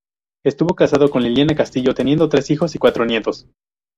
Estuvo casado con Lilia Castillo, teniendo tres hijos y cuatro nietos.